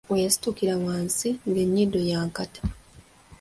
We yasitukira wansi ng’ennyindo y’enkata.